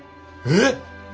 「えっ！」